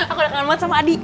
aku udah kangen muat sama adi